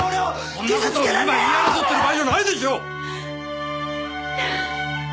そんな事を今言い争ってる場合じゃないでしょ！